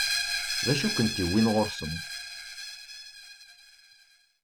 D acu i kent-iwwin ɣur-sen?